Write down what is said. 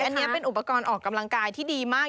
อันนี้เป็นอุปกรณ์ออกกำลังกายที่ดีมาก